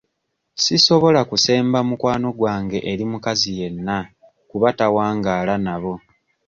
Sisobola kusemba mukwano gwange eri mukazi yenna kuba tawangaala nabo.